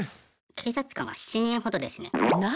警察官が７人ほどですね。